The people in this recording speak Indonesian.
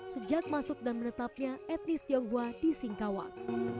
sejak masuk dan menetapnya etnis tionghoa di singkawang